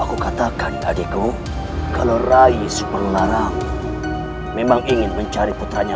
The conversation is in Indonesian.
hai aku katakan adikku kalau raih super larang memang ingin mencari putranya